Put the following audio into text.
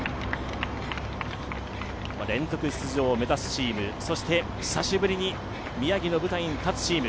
連続出場を目指すチームそして久しぶりに宮城の舞台に立つチーム